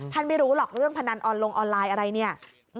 ไม่รู้หรอกเรื่องพนันออนลงออนไลน์อะไรเนี่ย